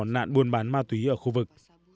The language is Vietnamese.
nạn buôn bán ma túy ở khu vực